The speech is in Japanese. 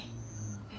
え？